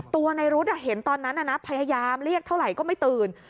ตัวในรุ๊ดเห็นตอนนั้นพยายามเรียกเท่าไหร่ก็ไม่ตื่น